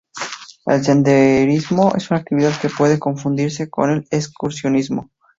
El senderismo es una actividad que puede confundirse con el excursionismo.